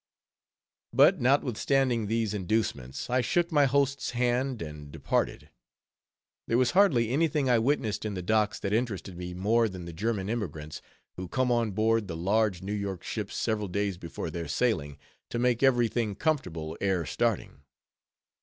But notwithstanding these inducements, I shook my host's hand and departed. There was hardly any thing I witnessed in the docks that interested me more than the German emigrants who come on board the large New York ships several days before their sailing, to make every thing comfortable ere starting.